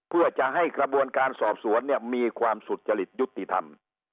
เพื่อจะให้กระบวนการสอบสวนเนี่ยมีความสุจริตยุติธรรม